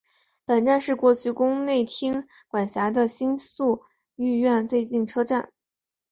本站是过去宫内厅管辖的新宿御苑最近车站。